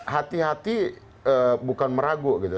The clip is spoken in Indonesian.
hati hati bukan meragu gitu